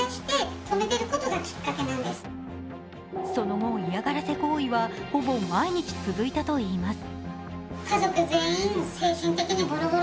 その後、嫌がらせ行為はほぼ毎日続いたといいます。